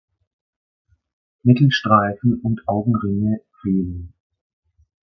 Mittelstreifen und Augenringe fehlen.